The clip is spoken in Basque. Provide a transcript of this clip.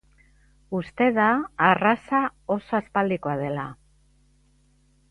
Uste da arraza oso aspaldikoa dela.